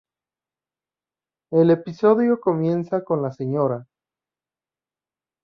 El episodio comienza con la Sra.